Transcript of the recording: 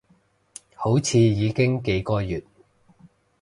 好似已經幾個月